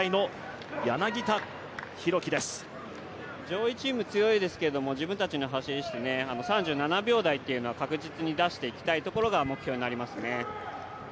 上位チーム強いですけど、自分たちの走りをして３７秒台を確実に出していきたいところが目標になりますね。